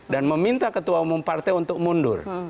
dan meminta ketua umum partai untuk mundur